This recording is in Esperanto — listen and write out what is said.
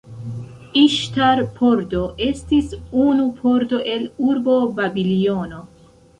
Iŝtar-pordo estis unu pordo el urbo Babilono.